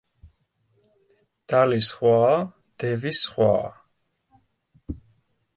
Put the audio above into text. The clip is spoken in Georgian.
დალი სხვაა, დევი სხვაა.